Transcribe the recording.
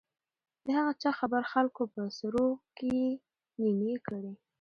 د هغه چا خبره خلکو په سروو کې يې نينې کړې .